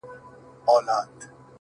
• ستا له نسیم سره به الوزمه,